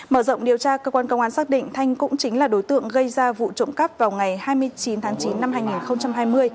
mở rộng điều tra cơ quan công an xác định thanh cũng chính là đối tượng gây ra vụ trộm cắp vào ngày hai mươi chín tháng chín năm hai nghìn hai mươi